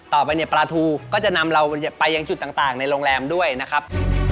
ต่อไปเนี่ยปลาทูก็จะนำเราไปยังจุดต่างในโรงแรมด้วยนะครับ